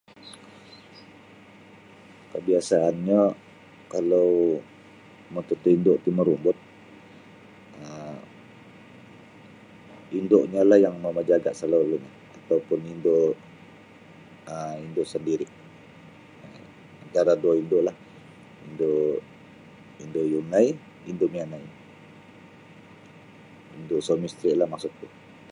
Kabiasaanyo kalau matutuo indu ti marumbut um indunyo lah yang mamajaga salalunya ataupun indu um indu sandiri antara dua indu lah indu indu yunai indu mianai indu suami isteri lah maksud ku.